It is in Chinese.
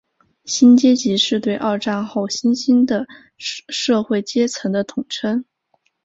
新阶级是对二战后新兴的社会阶层的统称。